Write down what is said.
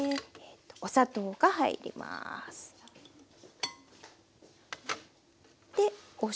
お砂糖が入ります。